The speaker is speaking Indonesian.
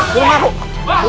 belum aku belum aku